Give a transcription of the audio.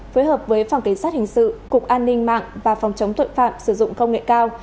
phối hợp với phòng cảnh sát hình sự cục an ninh mạng và phòng chống tội phạm sử dụng công nghệ cao